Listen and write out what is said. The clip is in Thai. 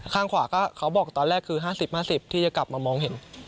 ข้างขวาก็เขาบอกตอนแรกคือ๕๐๕๐ที่จะกลับมามองเห็น